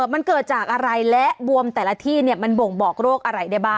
มันเกิดจากอะไรและบวมแต่ละที่มันบ่งบอกโรคอะไรได้บ้าง